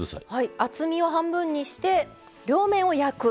厚みを半分にして両面を焼く。